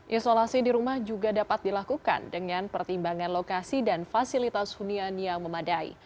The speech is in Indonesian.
isolasi di rumah juga dapat dilakukan dengan pertimbangan lokasi dan fasilitas hunian yang memadai